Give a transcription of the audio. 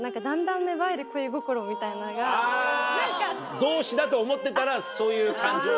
同志だと思ってたらそういう感情があ。